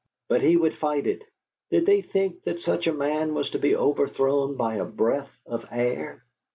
But he would fight it! Did they think that such a man was to be overthrown by a breath of air?